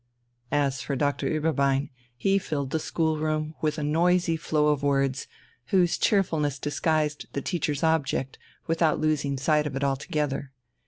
As for Doctor Ueberbein, he filled the schoolroom with a noisy flow of words, whose cheerfulness disguised the teacher's object without losing sight of it altogether.